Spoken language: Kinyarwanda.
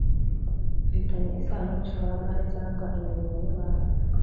bifitanye isano n’ishoramari cyangwa imirimo y’imari,